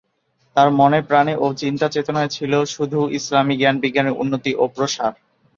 তার মনে প্রাণে ও চিন্তা-চেতনায় ছিল শুধু ইসলামি জ্ঞান-বিজ্ঞানের উন্নতি ও প্রসার।